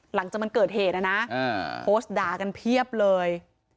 หลังจากมันเกิดเหตุนะนะโพสต์ด่ากันเพียบเลย